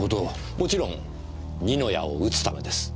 もちろん二の矢を打つためです。